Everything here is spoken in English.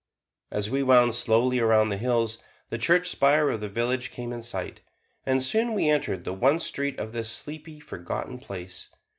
As we wound slowly around the hills, the church spire of the village came in sight; and soon we entered the one street of this sleepy, forgotten place.